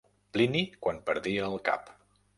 Plini quan perdia el cap.